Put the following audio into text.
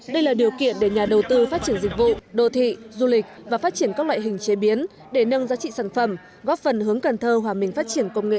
đây là điều kiện để nhà đầu tư phát triển dịch vụ đô thị du lịch và phát triển các loại hình chế biến để nâng giá trị sản phẩm góp phần hướng cần thơ hòa mình phát triển công nghệ cao